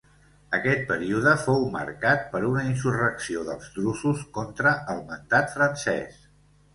Aquest període fou marcat per una insurrecció dels drusos contra el mandat francès.